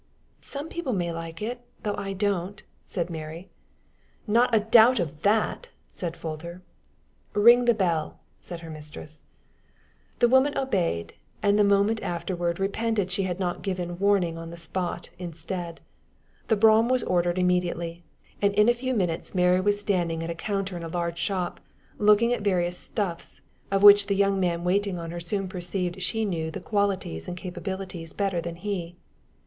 "Some people may like it, though I don't," said Mary. "Not a doubt of that!" said Folter. "Ring the bell," said her mistress. The woman obeyed, and the moment afterward repented she had not given warning on the spot, instead. The brougham was ordered immediately, and in a few minutes Mary was standing at a counter in a large shop, looking at various stuffs, of which the young man waiting on her soon perceived she knew the qualities and capabilities better than he.